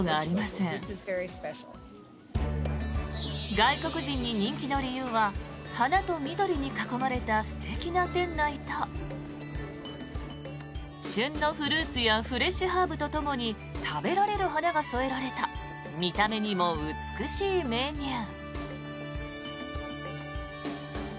外国人に人気の理由は花と緑に囲まれた素敵な店内と旬のフルーツやフレッシュハーブとともに食べられる花が添えられた見た目にも美しいメニュー。